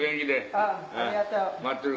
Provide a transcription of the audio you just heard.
ありがとう。